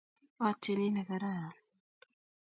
Atyeni negararan